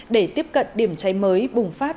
để tiếp cận điểm cháy mới bùng phát